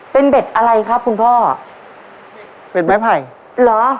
เป็นเบ็ดอะไรครับคุณพ่อเบ็ดไม้ไผ่เหรอ